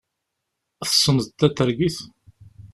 Tesneḍ tatergit?